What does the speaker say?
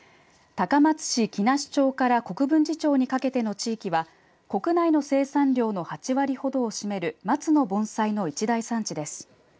高松市鬼無町から国分寺町にかけての地域は国内の生産量の８割ほどを占める松の盆栽の一大産地です。